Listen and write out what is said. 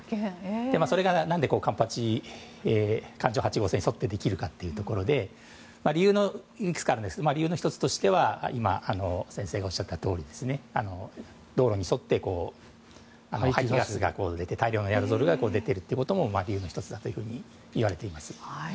それが何で環状八号線に沿ってできるかというところで理由の１つとしては先生がおっしゃっていたとおり道路に沿って排気ガスが出て大量のエアロゾルが出ているということも理由の１つだといわれています。